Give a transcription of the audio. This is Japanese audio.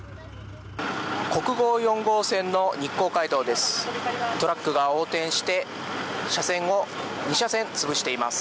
国道４号線の日光街道です。